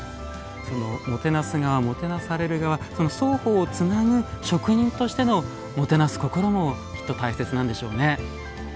もてなす側もてなされる側その双方をつなぐ職人としてのもてなす心もきっと大切なんでしょうね。